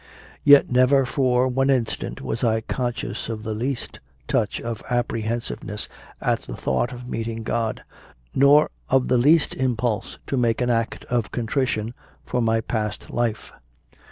Yet never for one instant was I conscious of the least touch of apprehensiveness at the thought of meeting God, nor of the least impulse to make an act of contrition for my past life.